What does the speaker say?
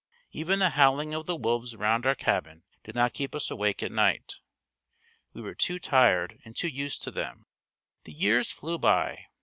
Even the howling of the wolves around our cabin did not keep us awake at at night. We were too tired and too used to them. The years flew by.